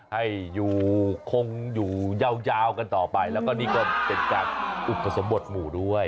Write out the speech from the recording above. ให้อยู่คงอยู่ยาวกันต่อไปแล้วก็นี่ก็เป็นการอุปสมบทหมู่ด้วย